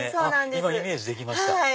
今イメージできました。